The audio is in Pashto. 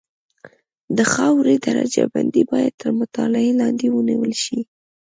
د خاورې درجه بندي باید تر مطالعې لاندې ونیول شي